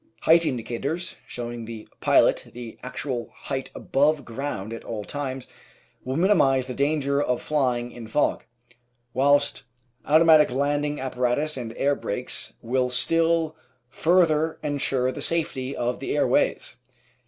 Height indicators, showing the pilot the actual height above ground at all times will minimise the danger of flying in fog, whilst automatic landing apparatus and air brakes will still fur ther ensure the safety of the airways.